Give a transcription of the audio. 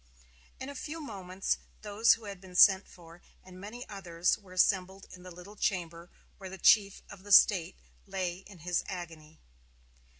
In a few moments those who had been sent for and many others were assembled in the little chamber where the chief of the state lay in his agony.